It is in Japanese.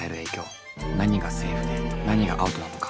何がセーフで何がアウトなのか。